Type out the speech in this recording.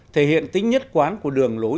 thể hiện tính nhất quán của đường lối